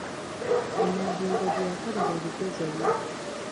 E Nabbingo gye yakolera ebigezo bye.